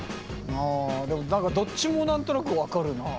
あでも何かどっちも何となく分かるな。